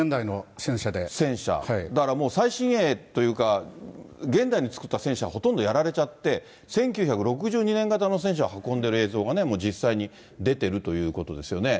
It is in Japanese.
だからもう、最新鋭というか、現代に作った戦車はほとんどやられちゃって、１９６２年型の戦車を運んでる映像が実際に出てるということですよね。